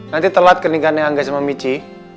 nanti telat keningannya angga sama michi